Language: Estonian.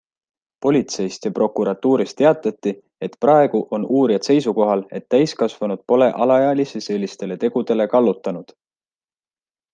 Politseist ja prokuratuurist teatati, et praegu on uurijad seisukohal, et täiskasvanud pole alaealisi sellistele tegudele kallutanud.